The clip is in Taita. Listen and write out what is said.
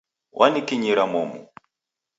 Wanikinyira momu.